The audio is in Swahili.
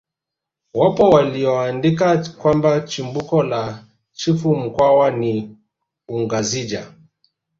Wapo walioandika kwamba chimbuko la chifu mkwawa ni ungazija